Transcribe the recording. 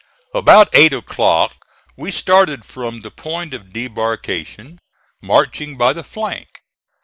About eight o'clock we started from the point of debarkation, marching by the flank.